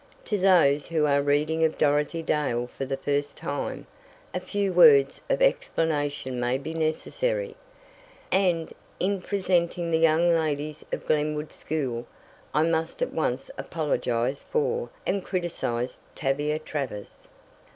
To those who are reading of Dorothy Dale for the first time, a few words of explanation may be necessary. And, in presenting the young ladies of Glenwood School, I must at once apologize for, and criticise Tavia Travers.